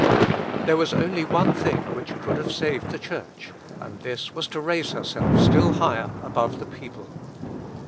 There was only one thing which could have saved the Church, and this was to raise herself still higher above the people.